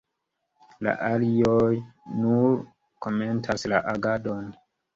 La arioj nur komentas la agadon.